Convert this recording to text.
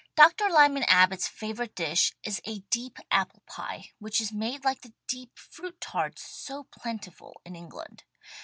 Lyman Abbott's favorite dish is a Deep Apple Pie, which is made like the deep fruit tarts so plentiful in England.